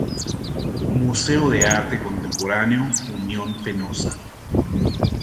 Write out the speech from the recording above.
Museo de Arte Contemporáneo Unión Fenosa.